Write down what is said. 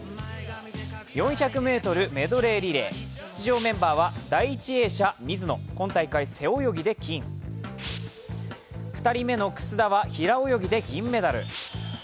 ４００ｍメドレーリレー、出場メンバーは第１泳者・水野、今大会背泳ぎで金２人目の楠田は平泳ぎで銀メダル。